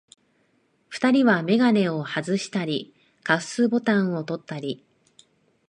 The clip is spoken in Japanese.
二人はめがねをはずしたり、カフスボタンをとったり、